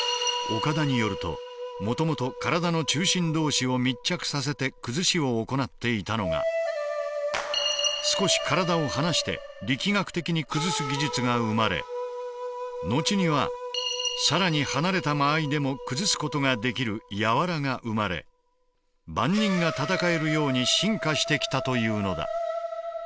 岡田によるともともと体の中心同士を密着させて崩しを行っていたのが少し体を離して力学的に崩す技術が生まれ後には更に離れた間合いでも崩すことができる「柔」が生まれ万人が戦えるように進化してきたというのだ。